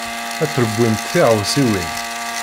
La trewwimt tiɣawsiwin.